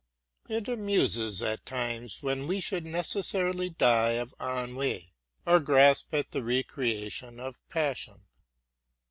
It amuses at times when we should necessarily die of ennui, or grasp at the recreation of passion.